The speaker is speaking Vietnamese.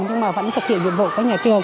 nhưng mà vẫn thực hiện nhiệm vụ của nhà trường